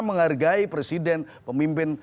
menghargai presiden pemimpin